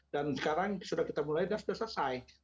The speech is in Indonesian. sekarang sudah kita mulai dan sudah selesai